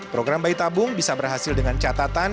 program bayi tabung bisa berhasil dengan catatan